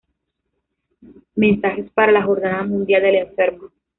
Mensajes para la Jornada Mundial del Enfermo